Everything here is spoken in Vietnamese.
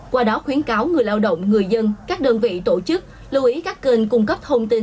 qua đó khuyến cáo người lao động người dân các đơn vị tổ chức lưu ý các kênh cung cấp thông tin